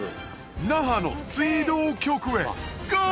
那覇の水道局へゴー！